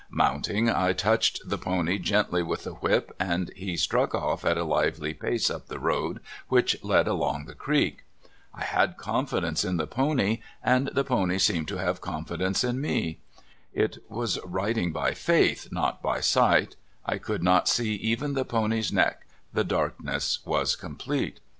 Mount ing, I touched the pony gently w^ith the whip, and he struck off at a lively pace up the road which led along the creek. I had confidence in the pony, and the pony seemed to have confidence 26 CALIFORNIA SKETCHES. in me. It was riding by faith, not b}^ sight; I could not see even the pony's neck — the darkness was complete.